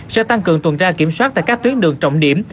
sẽ tăng cường tuần tra kiểm soát tại các tuyến đường trọng điểm